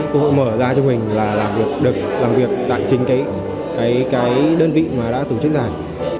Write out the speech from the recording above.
cơ hội mở ra cho mình là làm việc được làm việc tại chính cái đơn vị mà đã tổ chức giải